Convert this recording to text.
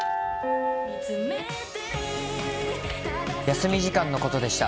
休み時間のことでした。